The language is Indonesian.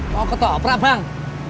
mau ketoprak bang